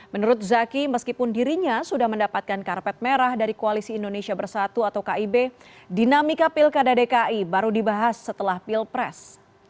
menurut zaki meskipun dirinya sudah mendapatkan karpet merah dari koalisi indonesia bersatu atau kib dinamika pilkada dki baru dibahas setelah pilpres